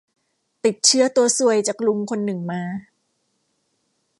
ติดเชื้อตัวซวยจากลุงคนหนึ่งมา